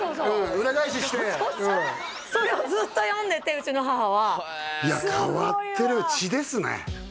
裏返しにしてそうそうそうそれをずっと読んでてうちの母はいや変わってる血ですね